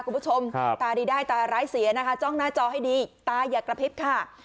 คุณผู้ชมตาดีได้ตาร้ายเสียนะคะจ้องหน้าจอให้ดีตาอย่ากระพริบค่ะ